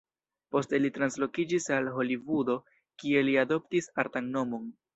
Poste li translokiĝis al Holivudo, kie li adoptis artan nomon.